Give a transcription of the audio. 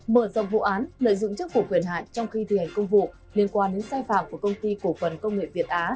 mở rộng vụ án lợi dụng chức vụ quyền hạn trong khi thi hành công vụ liên quan đến sai phạm của công ty cổ phần công nghệ việt á